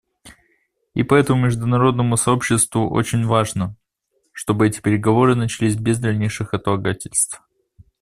И поэтому международному сообществу очень важно, чтобы эти переговоры начались без дальнейших отлагательств.